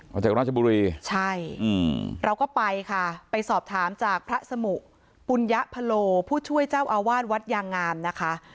มาจากราชบุรีใช่เราก็ไปค่ะไปสอบถามจากพระสมุปุญญพโลผู้ช่วยเจ้าอาวาสวัดยางงามนะคะ